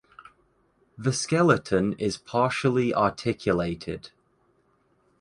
The skeleton is partially articulated.